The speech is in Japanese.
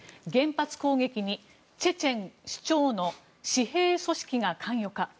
原発攻撃にチェチェン首長の私兵組織が関与か。